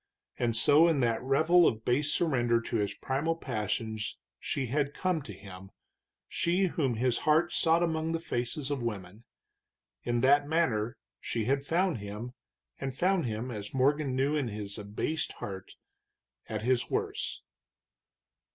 And so in that revel of base surrender to his primal passions she had come to him, she whom his heart sought among the faces of women; in that manner she had found him, and found him, as Morgan knew in his abased heart, at his worst.